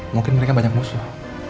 mungkin mereka banyak musuh